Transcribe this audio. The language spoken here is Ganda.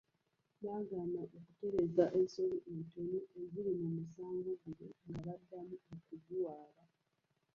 Baagaana okutereeza ensobi entono eziri mu musango guno nga baddamu okuguwaaba.